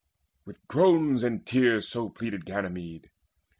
With groans and tears so pleaded Ganymede.